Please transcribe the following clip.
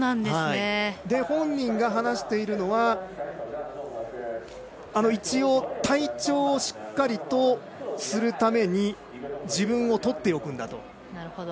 本人が話しているのは体調をしっかりとするために自分をとっておくんだと。